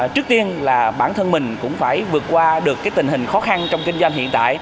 trước tiên là bản thân mình cũng phải vượt qua được tình hình khó khăn trong kinh doanh hiện tại